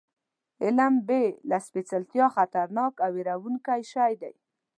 علم بې له سپېڅلتیا خطرناک او وېروونکی شی دی.